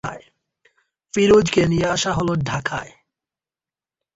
ফিরোজকে নিয়ে আসা হলো ঢাকায়।